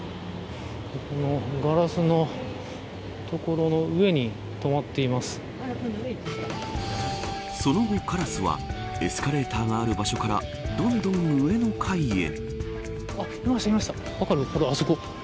ガラスの所の上にその後カラスはエスカレーターがある場所からどんどん上の階へ。